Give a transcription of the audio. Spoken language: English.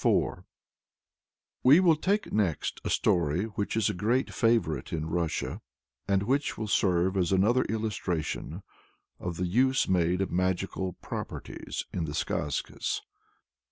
" We will take next a story which is a great favorite in Russia, and which will serve as another illustration of the use made of magical "properties" in the Skazkas.